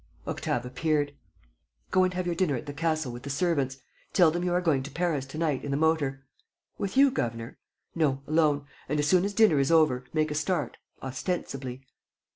Octave appeared. "Go and have your dinner at the castle, with the servants. Tell them you are going to Paris to night, in the motor." "With you, governor?" "No, alone. And, as soon as dinner is over, make a start, ostensibly."